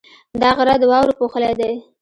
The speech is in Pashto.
دا غره د واورو پوښلی دی.